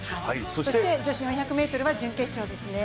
そして女子４００ｍは準決勝ですね。